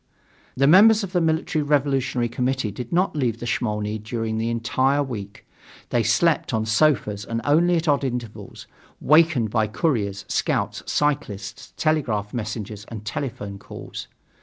The members of the Military Revolutionary Committee did not leave the Smolny during the entire week. They slept on sofas and only at odd intervals, wakened by couriers, scouts, cyclists, telegraph messengers and telephone calls.